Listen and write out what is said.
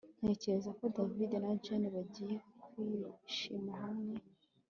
Ntekereza ko David na Jane bagiye kwishima hamwe